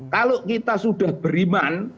kalau kita sudah beriman